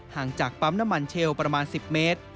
จากปั๊มน้ำมันเชลประมาณ๑๐เมตร